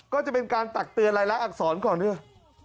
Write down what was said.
ก็จะเป็นการตักเตือนรายละอักษรก่อนด้วย